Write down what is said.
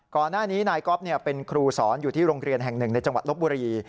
นายก๊อฟเป็นครูสอนอยู่ที่โรงเรียนแห่งหนึ่งในจังหวัดลบบุรี